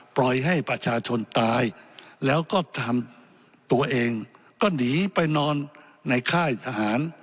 ปล่อยให้ประชาชนตายแล้วก็ทำตัวเองก็หนีไปนอนในค่ายทหาร